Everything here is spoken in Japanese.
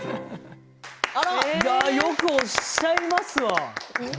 よくおっしゃいますわ。